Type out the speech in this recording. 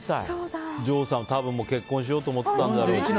多分結婚しようと思ってたんだろうね。